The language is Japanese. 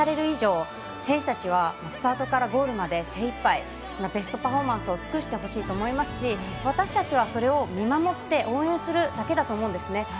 以上選手たちは、スタートからゴールまで精いっぱいベストパフォーマンスを尽くしてほしいと思いますし私たちはそれを見守って応援するだけだと思うんですね。